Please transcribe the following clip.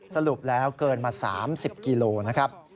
สรุปแล้วเกินมา๓๐กิโลนะครับ